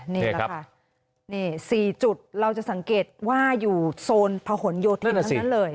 นี่แหละค่ะนี่๔จุดเราจะสังเกตว่าอยู่โซนพะหนโยธินทั้งนั้นเลย